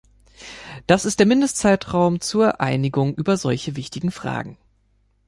Das ist der Mindestzeitraum zur Einigung über solche wichtigen Fragen.